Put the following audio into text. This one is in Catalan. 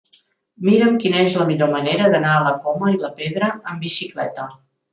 Mira'm quina és la millor manera d'anar a la Coma i la Pedra amb bicicleta.